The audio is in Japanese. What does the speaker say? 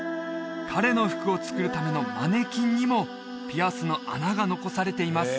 彼の服を作るためのマネキンにもピアスの穴が残されています